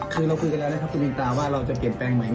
คือเราคุยกันแล้วนะครับคุณวินตาว่าเราจะเปลี่ยนแปลงใหม่